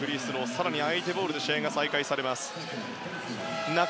更に相手ボールで試合が再開されます。